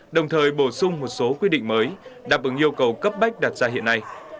đồng thời bổ sung một số quy định mới đáp ứng yêu cầu cấp bách đặt ra hiện nay